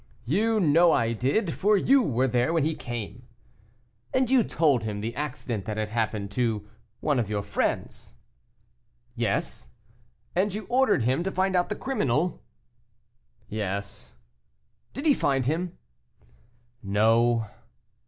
"You know I did, for you were there when he came." "And you told him the accident that had happened to one of your friends?" "Yes." "And you ordered him to find out the criminal?" "Yes." "Did he find him?" "No."